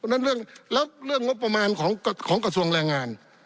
แล้วเรื่องงบประมาณของกระทรวงแรงงาน